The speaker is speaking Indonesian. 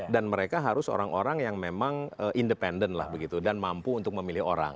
dan mereka harus orang orang yang memang independen lah begitu dan mampu untuk memilih orang